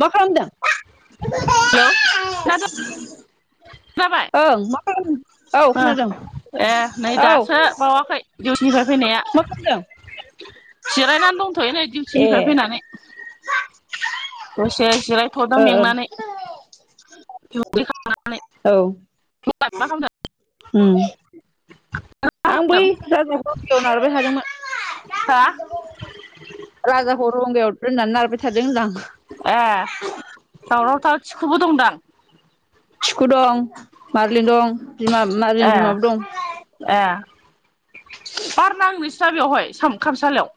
मा खालाम दों हेलौ दा ओं मा खालामदों औ खोनादों ए नै औ दासो बावाखै दिउटिनिफ्राय फैनाया मा खालामदों? जिरायनानै दंथ'यो नै ए डिउटिनिफ्राय फैनानै दसे जिरायथदों ओ मेंनानै दुगैखांनानै औ ओम मा ओम [inaudible] आं बै [unintelligible] नारबाय हा थादोंमोन राजाखौ रंगायाव दोननानै नारबाय थादों होनदां ए दावराव थार थिखुबो दंदां थिखु दं मारलिन दं बिमा ए मारलिन बिमाबो दं ए बार नाङो नोंसिना बेवहाय खामसालियाव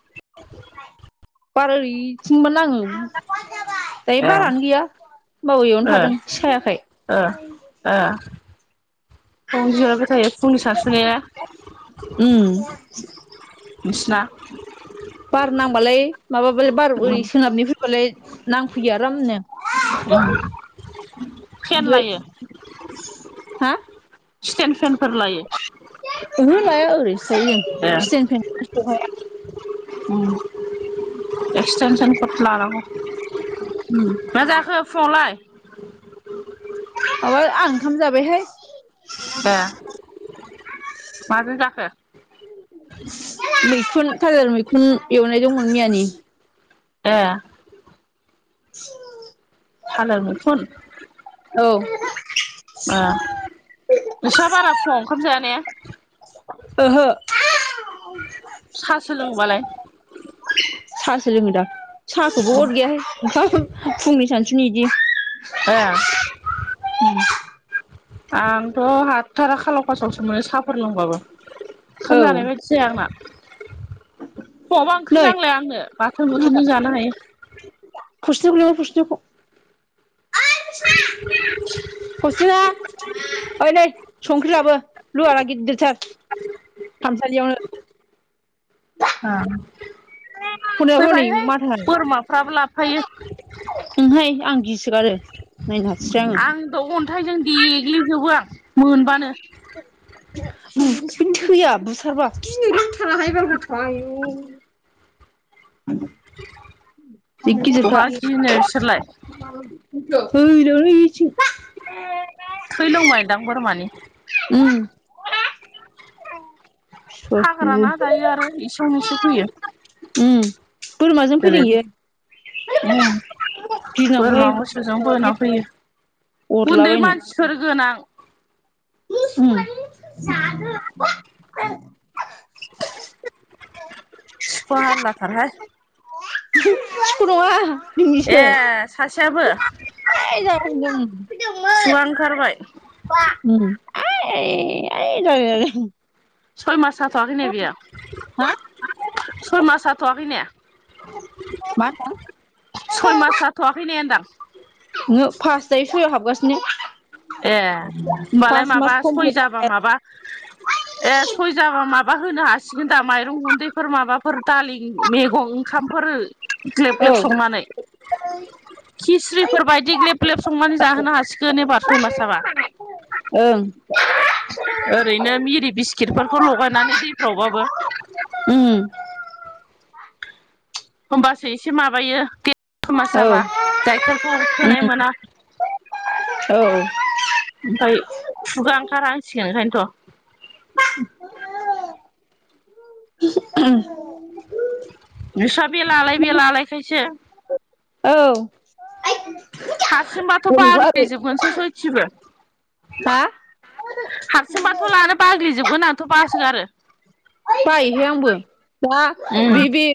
बारा ओरैथिंबा नाङो दायो ए बारानो गैया होनबाबो इयावनो ओ थादों सायाखाय ओ ओ [unintelligible] थायो फुंनि [unintelligible] उम बिसिना बार नांबालाय माबाबालाय बार ओरै उम सोनाबनि फैबालाय नांफैयो आरामनो ओम फेन ओमफ्राय लायो हा स्टेन फेनफोर लायो ओहो लाया ओरैनोसो थायो ए जों [unintelligible] उम उ [inaudible] एक्सटेनसन कट लानांगौ माबा मा जाखो फुङावलाय माबा आं ओंखाम जाबायहाय ए माजों जाखो मैखुन थालेर मैखुन एवनाय दंमोन मैयानि एह [inaudible] थालेर मैखुन औ [inaudible] ओ नोंस्रा बारा फुङाव ओंखाम जाया ने ओहो सासो लोङोबालाय साहासो लोंङोदां साहाखौबो हद गैयाहाय फुंनि सानसुनि इदि एह आंथ' हाथारा खालावखासावसो मोनो साफ फोर लोंबाबो औ ओंखाम जानाय बायदि जाया आंना। फुङावबा ओंख्रि नै नांलाया आंनो बाथोन बुथोनजोंनो जानो हायो [unintelligible] [unintelligible] हस्रिना ओइ नै संख्रि लाबो लुवारा गिददिरथार। खामसालियावनो [unintelligible] हनै हनै फैबायहाय माथाय बोरमाफ्राबो लाबोफायो। ओंहाय आं गिसोगारो नायनो हाथारा आं आं द' अन्थाइजों देग्लि जोबो आं। थैया मोनबानो [unintelligible] बुथारबा गिनो रोंथारा हाय बाय गथ'आ आय' [unintelligible] आ [inaudible] बहा गिनो बिसोरलाय ग [unintelligible] थै लोंबायदां बोरमानि। उ [unintelligible] हाग्राना दायो आरो इसेयावनो इसो फैयो उम बोरमाजों फैदों इयो जेरैबो बोरमा गिनांगौहाय मोसौजों बोना फैयो। हरलाबायनो सोरगोनां जाद [unintelligible] फाहार [unintelligible] लाथार [unintelligible] खर‌ख [unintelligible] ऐ सासेयाबो दोंमोन खुगा ओंखारबाय [unintelligible] ब इ ज [unintelligible] सय मास जाथयाखैलाय बियो। हा सय मास जाथ'वाखै ने मा सय मास जाथ'वाखै ने होनदां। नोङो फास‌ दायो सयआव हाबगासिनो। ओ होनबालाय फास माबा मास सय कमप्लिट जाबा माबा एऐ सयजाबा माबा होनो हासिगोन दा माइरं गुन्दैफोर माबाफोर दालि मैगं ओंखामफोर ग्लेब औ ग्लेब संनानै [unintelligible] खिस्रिफोर बायदि ग्लेब ग्लेब संनानै जाहोनो हासिगोन एबार सय मासाबा। ओं। ओरैनो मिरि बिस्किटफोरखौ लगायनानै दैफ्रावबाबो उम होमबासो एसे माबायो सय मास औ जाबा गाइखेरखौ थोनाय उम मोना। औ ओमफ्राय खुगा ओंखार हांसिगोन ओंखायनोथ' [unintelligible] नोंस्रा बेलालाय बेलालायखायसो औ। हारसिं बाथ' बाग्लि जोबगोनसो सयथिबो। हा हारसिंबाथ' लानो बाग्लिजोबगोन आंथ' बासोगारो। बायोहाय आंबो दा उम बे बे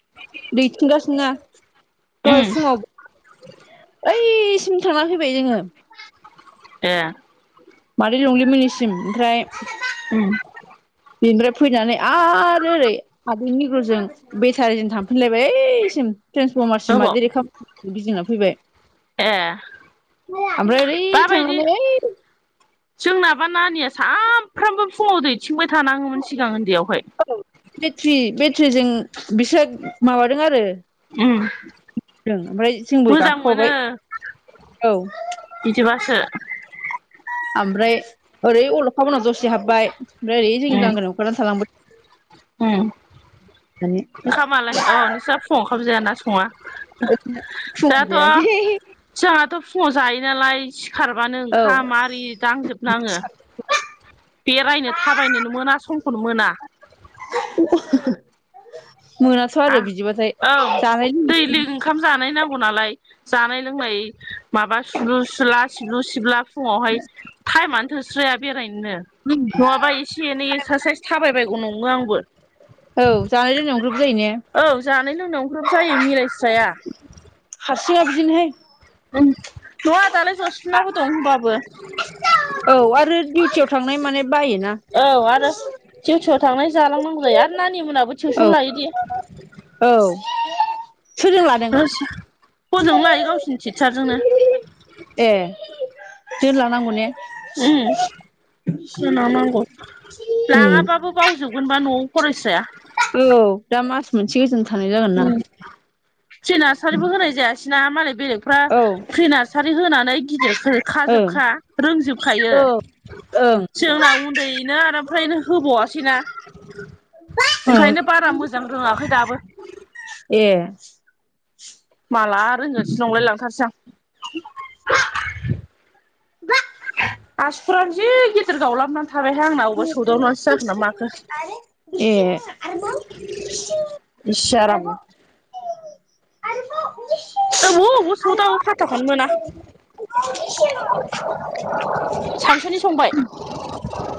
दैथिंगासिनो उम दहाय फुङाव ओइसिम थांना फैबाय जोङो। ए मादै लंलिमोननिसिम ओमफ्राय उम बिनिफ्राय फैनानै आरो ओरै आदैनिग्रुजों बेटारिजों थांफिनलायबाय ऐसिम ट्रेन्सफर्मारसिम अबाव मादै रेखा मोननिथिं गिदिंना फैबाय। ए ओमफ्राय ओरै दाबायदि थांनानै ऐ जोंनाबा नानिया साफ्रामबो फुङाव दैथिंबाय थानाङोमोन सिगां उन्दैयावहाय औ बेट्रि बेट्रिजों बिसोर माबादों आरो उम ओमफ्राय जोंबो मोजां मोनो गाखोफाबाय औ। बिदिबासो ओमफ्राय ओरै अल'खा मोननाव दसे हाबबाय ओमफ्राय ओरै जोंनि लांगोनायाव ओंखारनानै थालांबाय ओम होननानै ओंखामालाय अ नोंस्रा फुङाव ओंखाम जाया ना सङा। फुङाव जाहाथ' जायाखै जाहाथ' फुङाव जायो नालाय सिखारबानो औ ओंखाम आरि दांजोबनाङो। बेरायनो थाबायनोनो मोना समखौनो मोना। मोनाथ' आरो आं बिदिबाथाय ओं जानाय लों दैलि ओंखाम जानाय नांगौ नालाय जानाय लोंनाय माबा सुलु सुला सिबलु सिबला फुङावहाय टाइमानो थोस्राया बेरायनोनो नङाबा एसे एनै एक्सारसाइस थाबाय बायगौ नङो आंबो। औ जानाय लोंनायाव ग्रोब जायो ने? औ जानाय लोंनायाव ग्रोब जायो मिलायस्राया। हारसिङआ बिदिनोहाय ओ नंआ दालाय जसिनाबो दं होमबाबो। औ आरो दिउटियाव थांनाय मानाय बायोना। दिउटिआव थांनाय जालांनांगौ जायो आरो नानि मोनाबो टिउसन औ लायोदि। औ। सोरजों लादों हजोंनो लायो गावसिनि टिचारजोंनो। ए दोनलानांगौ ने? ओ दोनलांनांगौ उम लाङाबाबो बावजोबगोनबा न'आव फरायस्राया। औ दा मास मोनसे गोजोन थानाय जागोन ना। प्रि नार्सारिबो होनाय जायासैना मालाय बेलेगफ्रा औ ओं प्रि नार्सारि होनानै गिदिरखौ खा जोबखा रोंजोबखायो औ ओं जोंना उन्दैनो आरो ओमफ्रायनो होबावासैना। ओं ओंखायनो बारा मोजां रोङाखै दाबो। ए माला आरो रोंगोरस नंलाय लांथारसै आं। आसुफोरानो जि गिदिर गावलाबनानै थाबायहाय आंना बबेबा सौदावनासो जागोन ना माखो। ए आरोबाव सियाराम आरो अबाव अबाव सौदाव फाथाखौनो मोना। सानसुनि संबाय?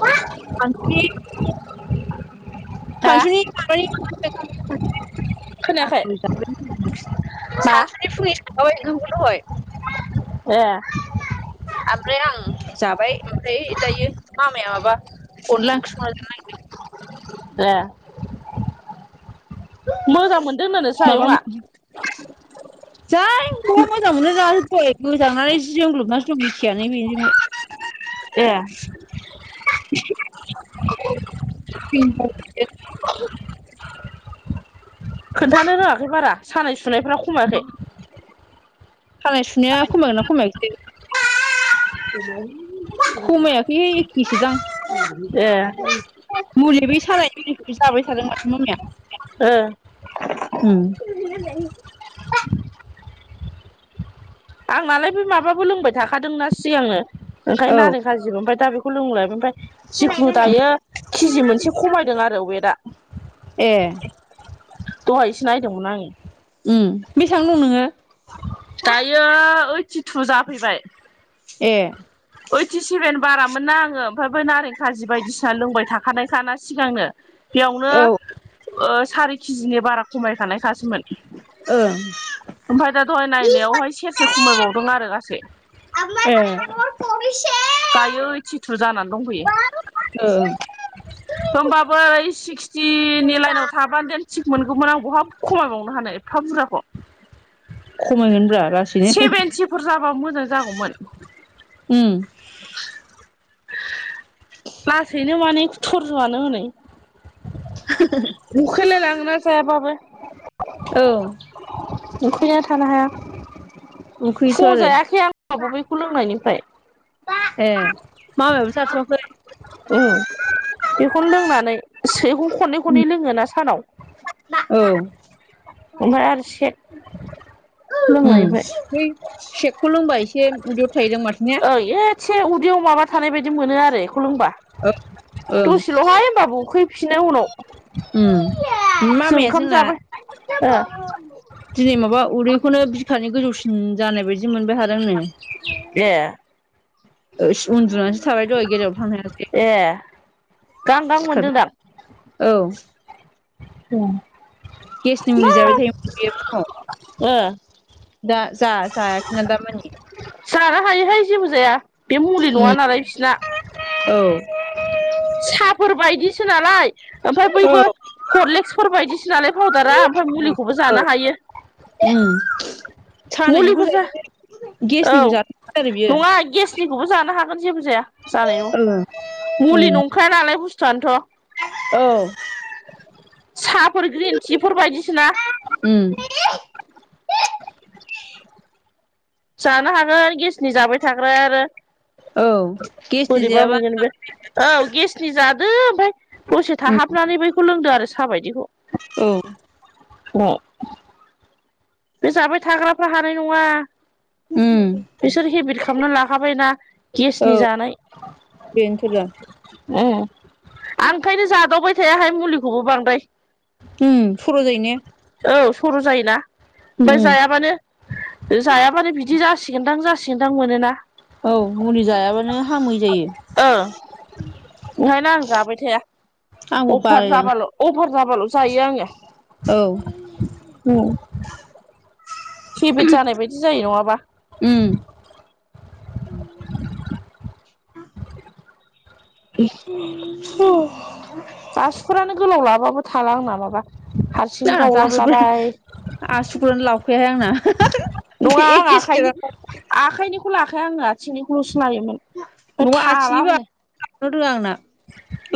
आ [unintelligible] [unintelligible] [inaudible] हा [unintelligible] साख्रि खोनायाखै फुैसाबाय मा ओंखामखौ दहाय ए ओमफ्राय आं जाबाय ओमफ्राय दायो मामाया माबा अनला ओंख्रि संनायखो नायदों। ए मोजां मोनदोंनो नोंसा आयङा? जायखौ मोजां मोनो जोबफै गोजांनानै जोंग्लोबनानैसो दं मिथियानो बेजोंनो ए [inaudible] खोन्थानो रोङाखै बारा सानाय सुनायफ्रा खमायाखै खानाय सुनाया खमायगोन ना खमायसै? खमायाखैह एखखेसो दां ए मुलि बै सालायखौ जाबाय थादों माथो मामिया ओ उ आंनालाय बे माबाबो लोंबाय थाखादोंना सिगांनो ओंखायनो औ नारें खाजोबो ओमफ्राय दा बेखौ लोंलायबाय मफ्राय जिखुनु दायो केजि मोनसे खमायदों आरो वेदआ ए दहायसो नायदोंमोन आङो बेसेबां दं नोङो? बेयो ओइटिटु जाफैबाय। ए ओइटि सेभेन बारामोन ना आङो ओमफ्रायबो नारें खाजि बायदिसिना लोंबाय थाखानायखाना सिगांनो- बेयावनो औ सारि केजिनि बारा खमायखानायखासोमोन। ओं ओमफ्राय दा दहाय नायावहाय सेरसे खमायबावदों आरो गासै आ दायो थिथु जानानै दंफैयो। होमबाबो ओइ सिक्सटिनि लाइनाव थाबाय हाब द थिग मोनगौमोन आं बहा खमायबावनो हानो एफा बुरजाखौ खमायगोन ब्रा लासैनो सेभेनटिफोर जाबा मोजां जागौमोन। उम [inaudible] लासैनो माने थरज'आनो हनै [inaudible] उखैलायलाङोना जायाबाबो औ उखैनानै थानो हाया। उखैयोथ' फुङाव आरो जायाखै आं माबा बैखौ लोंनायनिफ्राय ए मामायाबो जाथयखै ओ बेखौनो लोंनानै सेखौ खननै खननै लोङोना सानाव औ ओमफ्राय आरो से ओ। बै सेकखौ लोंबा एसे उदैयाव थाहैदों माथोनि ओं एसे उदैयाव माबा थानाय बायदि मोनो आरो बेखौ लोंबा औ ओं दसेल'हाय होनोमबाबो उखै फिनो उनाव ओ जों मामाया ओंखाम जोंना जाबाय ओ दिनै माबा उदैखौनो बिखानि गोजौसिन जानाय बायदि मोनबाय हा दोंनो ए इस उन्दुनानैसो थाबाय दहाय गेजेराव थांनो हायासै ए गां गां मोनदों सिखारना दा औ ओं गेसनि मुलि जाबाय थायो बे फुङाव ओ दा जा-जायाखैना‌ दा मानि- जानो हायोहाय जेबो जाया बे मुलि नङा उम नालाय बिसोरना औ साहाफोर बायदिसो नालाय ओमफ्राय बयबो औ फरलेक्सफोर बायदिसो नालाय पाउदारा ओमफ्राय मुलिखौबो औ जानो हायो [inaudible] सानायनिखौ मुलिखौ ज जायो औ गेसनिखौ जाथारो आरो बियो नङा गेसनिखौबो जानो हागोन जेबो जाया जानाय औ न' मुलि उम नंखाया नालाय बुस्थुआनोथ' औ साहाफोर ग्रिन टिफोर बायदिसिना उम जानो हानो गेसनि जाबाय थाग्रा आरो औ गेसनि बोरैबा जायाबा मोनगोन बे औ गेसनि जादो ओमफफ्राय दसे उम थाहाबनानै बैखौ लोंदो आरो साहा बायदिखौ औ [inaudible] बे जाबाय थाग्राफ्रा हानाय नङा उम बिसोर हेबिट खालामना लाखाबायना गेसनि जानाय बेनोथल आं ओंखायनो जादावबाय थायाहाय मुलिखौबो बांद्राय उ सर' जाय ने औ सर' जायोना ओमफ्राय उम जायाबानो जायाबानो बिदि जासिगोनदां जासिगोनदां मोनोना औ मुलि जायाबानो हामै जायो ओं ओंखायनो आं जाबाय थाया आंबो अफार बालायलाङो जाबाल' अफार जाबाल' जायो आङो उम औ हेबिट जानाय बायदि जायो नङाबा उम [unintelligible] गाससिफोरानो गोलाव लाबाबो थाला आं नामाबा हारसिं आंना गावलाबलाबाय आसुगुर लावखाया आंना बे नङा आं एखे आखाइनि स्टेटानो आखाइनिखौल' आखाया आंनो आथिंनिखौल' सिनायोमोन न' आथिंनिबोनो रोङा आंना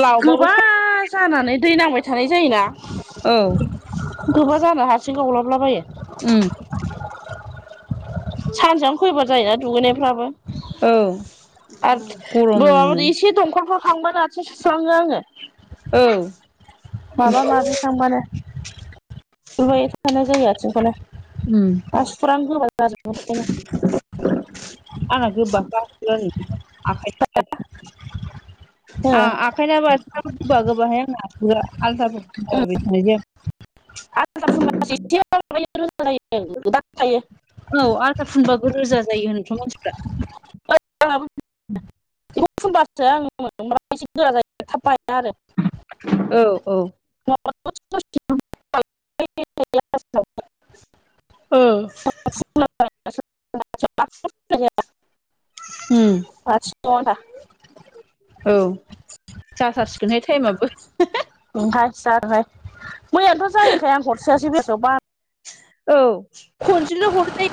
लावबाबो गोबा जानानै दै नांबाय थानाय जायोना औ गोबा जानो हारसिं गावलाबलाबायो उम सानसेयावनो फैबा जायोना दुगैनायफ्राबो औ। आरो गरमनो एसे दंखलखौ फांबोनानैसो सुस्लाङो आङो। औ माबा माबि थांबानोाय थानाय जायो आथिंखौनो। उम मास फुरानो होबा जाजोबखनो। आंना गोबाखा आरो आखाइ [unintelligible] हो आं आखायना आसि गोबा गोबाहाय आंना आ आलदाफोरायदि। आ फुंबास एसे मायो रोज जद थायो। औ आदा फुनबाबो रोजा जायो होनथ' मानसिफ्रा। आं फबारसो आं मोन एसे गोरा जायो थाब बाया आरो। औ औ। [unintelligible] ओ [unintelligible] उम [unintelligible] औ जाथारसिगोनहाय टाइमाबबो। ओमाय जाबाय मैयानोथ' जायोैखाय आं हरसेआ जे बेसेबबा। औ खनसेल' हरनो जायो।